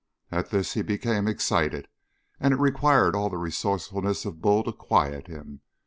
At this he became excited, and it required all the resourcefulness of Bull to quiet him.